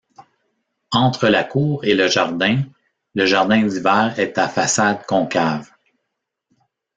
Entre la cour et le jardin, le jardin d'hiver est à façade concave.